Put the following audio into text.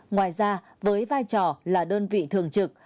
ngoài ra với vai trò là đơn vị thường trực